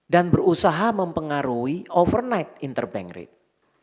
dan berusaha mempengaruhi overnight interbank rate